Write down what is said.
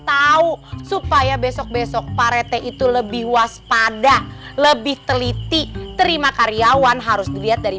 tahu supaya besok besok parete itu lebih waspada lebih teliti terima karyawan harus dilihat dari